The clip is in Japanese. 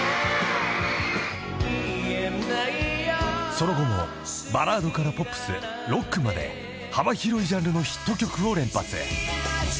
［その後もバラードからポップスロックまで幅広いジャンルのヒット曲を連発］